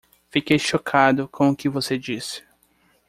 Fiquei chocado com o que você disse